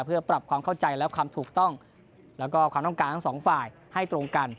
เพื่อปรับความเข้าใจและความถูกต้องแล้วก็ความต้องการทั้งสองฝ่ายให้ตรงกัน